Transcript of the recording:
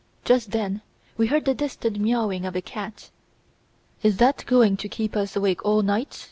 Just then we heard the distant miawing of a cat. "Is that going to keep us awake all night?"